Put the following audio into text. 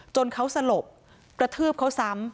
จนเขาสลบกระทืบเขาซ้ำ